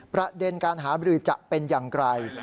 ประเด็นการหาบรือจะเป็นอย่างไร